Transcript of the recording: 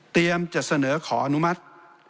เตรียมจะเสนอขออนุมัติ